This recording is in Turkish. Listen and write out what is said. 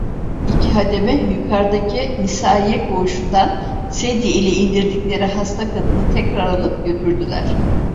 İki hademe, yukardaki nisaiye koğuşundan sedye ile indirdikleri hasta kadını tekrar alıp götürdüler.